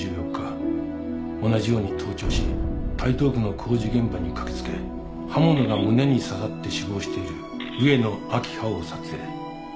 同じように盗聴し台東区の工事現場に駆け付け刃物が胸に刺さって死亡している上野秋葉を撮影。